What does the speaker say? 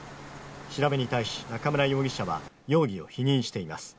調べに対し、中村容疑者は容疑を否認しています。